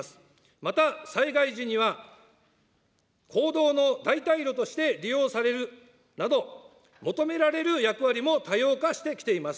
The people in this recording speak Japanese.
また災害時には、公道の代替路として利用されるなど、求められる役割も多様化してきています。